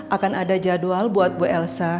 akan ada jadwal buat bu elsa